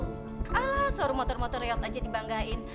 alah sor motor motor reot aja dibanggain